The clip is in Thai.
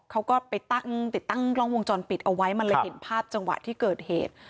เขาก็ไปตั้งติดตั้งกล้องวงจรปิดเอาไว้มันเลยเห็นภาพจังหวะที่เกิดเหตุ